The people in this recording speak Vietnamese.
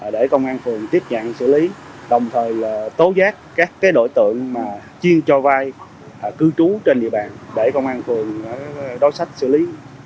để công an phường tiếp nhận xử lý đồng thời tố giác các đối tượng chiên cho vai cư trú trên địa bàn để công an phường đối sách xử lý